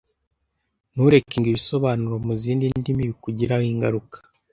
Ntureke ngo ibisobanuro mu zindi ndimi bikugiraho ingaruka.